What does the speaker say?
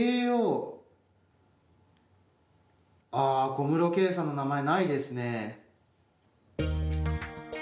小室圭さんの名前はないですね。